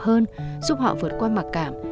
hơn giúp họ vượt qua mặc cảm